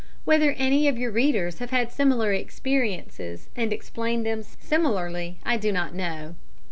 Whether any of your readers have had similar experiences and explain them similarly, I do not know.